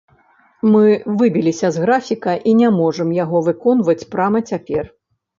Мы выбіліся з графіка і не можам яго выконваць прама цяпер.